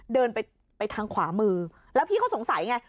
เดินไปทางขวามือแล้วพี่เขาสงสัยไง